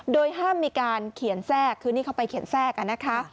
โดยห้ามมีการเขียนแทรกคือนี่เขาไปเขียนแทรกนะคะ